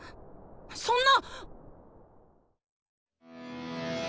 そんな⁉